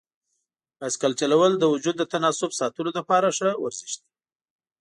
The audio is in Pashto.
بایسکل چلول د وجود د تناسب ساتلو لپاره ښه ورزش دی.